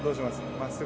真っすぐ。